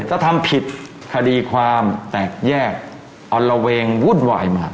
ถ้าทำผิดคดีความแตกแยกอ่อนระเวงวุ่นวายมาก